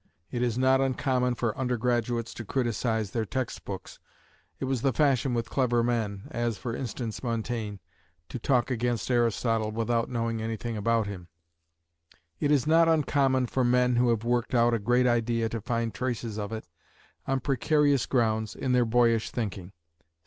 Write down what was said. It is not uncommon for undergraduates to criticise their text books; it was the fashion with clever men, as, for instance, Montaigne, to talk against Aristotle without knowing anything about him; it is not uncommon for men who have worked out a great idea to find traces of it, on precarious grounds, in their boyish thinking.